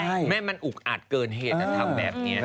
ไม่ไม่มันอุ๋อาตเกินเหตุการทำแบบนี้